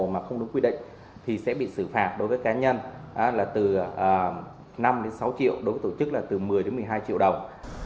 mà không đúng quy định thì sẽ bị xử phạt đối với cá nhân là từ năm đến sáu triệu đối với tổ chức là từ một mươi đến một mươi hai triệu đồng